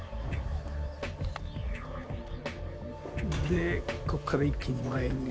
でここから一気に前に。